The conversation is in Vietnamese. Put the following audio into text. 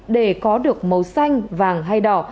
để có được màu xanh vàng hay đỏ